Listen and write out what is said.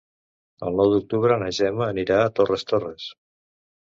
El nou d'octubre na Gemma anirà a Torres Torres.